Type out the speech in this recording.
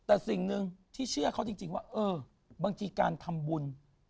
แต่สิ่งหนึ่งที่เชื่อเขาจริงว่าเออบางทีการทำบุญ